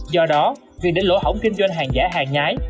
do đó việc đến lỗ hổng kinh doanh hàng giả hàng nhái